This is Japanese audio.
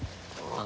ああ！